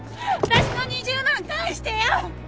私の２０万返してよ！